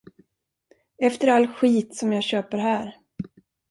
Efter all skit som jag köper här.